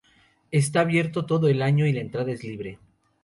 Está abierto todo el año y la entrada es libre.